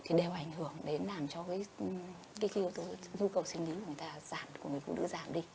thì đều ảnh hưởng đến làm cho cái yếu tố dư cầu sinh lý của người ta giảm của người phụ nữ giảm đi